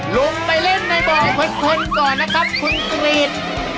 ลงไปเล่นในบ่อเพลินก่อนนะครับคุณกรีด